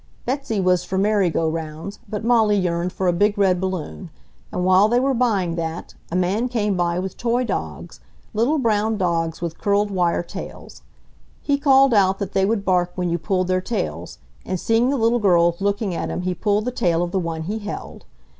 Betsy was for merry go rounds, but Molly yearned for a big red balloon; and while they were buying that a man came by with toy dogs, little brown dogs with curled wire tails. He called out that they would bark when you pulled their tails, and seeing the little girls looking at him he pulled the tail of the one he held.